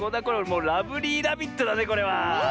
もうラブリーラビットだねこれは。